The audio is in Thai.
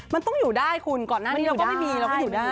มันต้องอยู่ได้คุณก่อนหน้านี้เราก็ไม่มีเราก็อยู่ได้